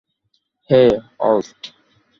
হেই, হলস্ট।